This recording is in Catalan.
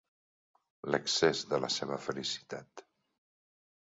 L'excés de la seva felicitat.